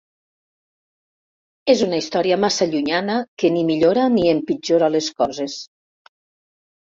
És una història massa llunyana que ni millora ni empitjora les coses.